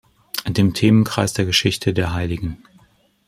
Dem Themenkreis der Geschichten der Hl.